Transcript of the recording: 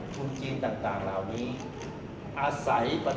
มันเป็นสิ่งที่เราไม่รู้สึกว่า